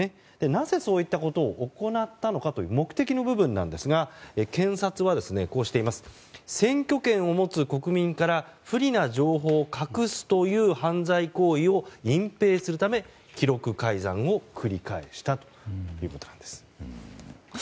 なぜ、そういったことを行ったのかという目的の部分なんですが、検察は選挙権を持つ国民から不利な状況を隠すという犯罪行為を隠ぺいするため記録改ざんを繰り返したということなんです。